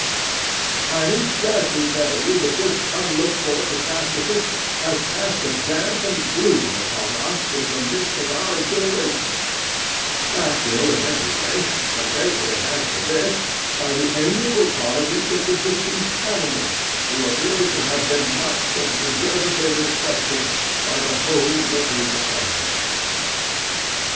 'I need scarcely tell you that this unlooked for catastrophe has cast a damp and gloom upon us in the midst of our exhilaration; natural in any case, but greatly enhanced in this, by the amiable qualities of the deceased animal, who appears to have been much and deservedly respected by the whole of his acquaintance.